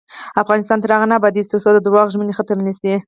افغانستان تر هغو نه ابادیږي، ترڅو د درواغو ژمنې ختمې نشي.